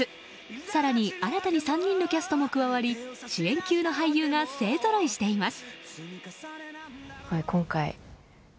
更に新たに３人のキャストも加わり主演級の俳優が勢ぞろいしています。